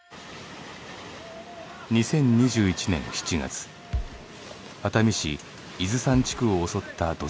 ２０２１年７月熱海市伊豆山地区を襲った土石流。